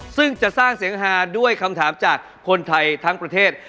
ซึ่งจะสร้างเสียงฮาด้วยคำถามจากคนไทยทั้งประเทศ